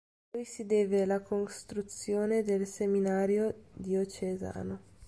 A lui si deve la costruzione del seminario diocesano.